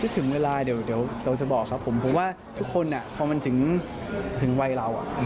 ถึงเวลาเดี๋ยวเดี๋ยวเราจะบอกครับผมเพราะว่าทุกคนอ่ะพอมันถึงถึงวัยเราอ่ะ